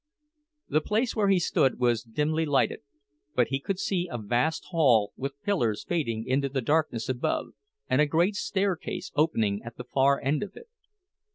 The place where he stood was dimly lighted; but he could see a vast hall, with pillars fading into the darkness above, and a great staircase opening at the far end of it.